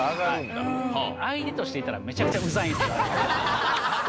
相手としていたらめちゃくちゃウザいんすよ。